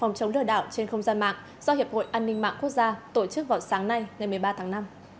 phòng chống lừa đảo trên không gian mạng do hiệp hội an ninh mạng quốc gia tổ chức vào sáng nay ngày một mươi ba tháng năm